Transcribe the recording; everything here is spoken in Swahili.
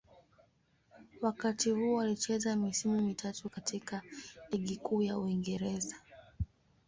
Wakati huu alicheza misimu mitatu katika Ligi Kuu ya Uingereza.